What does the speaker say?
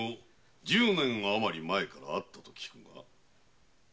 十年あまり前からあったと聞くが？